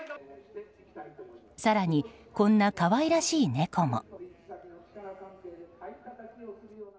更に、こんな可愛らしい猫も。